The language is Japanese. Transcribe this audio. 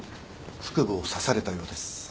腹部を刺されたようです。